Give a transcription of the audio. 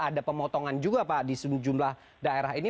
ada pemotongan juga pak di sejumlah daerah ini